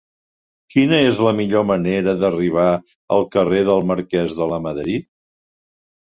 Quina és la millor manera d'arribar al carrer del Marquès de Lamadrid?